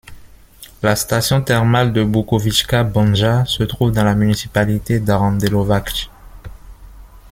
La station thermale de Bukovička Banja se trouve dans la municipalité d'Aranđelovac.